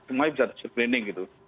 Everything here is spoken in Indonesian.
semuanya bisa di screening gitu